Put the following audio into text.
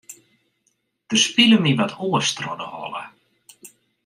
Der spile my wat oars troch de holle.